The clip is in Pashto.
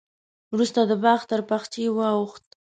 وروسته د باغ تر پخڅې واوښت.